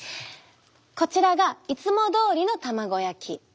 こちらがいつもどおりの卵焼き。